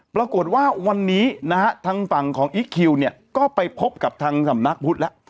ปรากฏว่าวันนี้นะฮะทางฝั่งของอีคคิวเนี่ยก็ไปพบกับทางสำนักพุทธแล้ว